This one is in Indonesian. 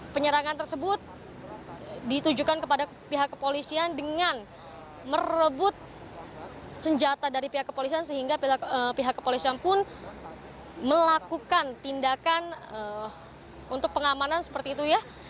penyerangan tersebut ditujukan kepada pihak kepolisian dengan merebut senjata dari pihak kepolisian sehingga pihak kepolisian pun melakukan tindakan untuk pengamanan seperti itu ya